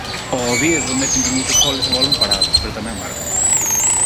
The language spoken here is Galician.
Ao Oviedo métenlle moitos goles a balón parado pero tamén marca.